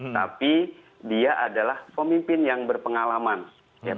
tapi dia adalah pemimpin yang berpengalaman